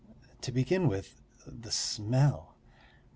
To begin with the smell.